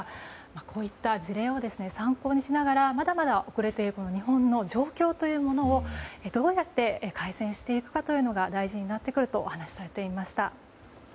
こういった事例を参考にしながらまだまだ遅れている日本の状況というものをどうやって改善していくかというのが大事になってくるとお話しされていました。